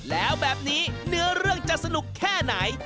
แล้วแบบนี้เนื้อเรื่องจะสนุกแค่ไหน